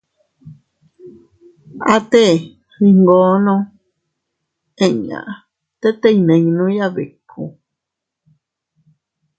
Atee iyngoono inña tete iyninuya biku.